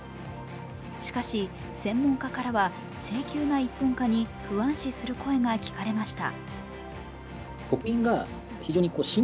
しかし専門家からは性急な一本化に不安視する声が聞かれました。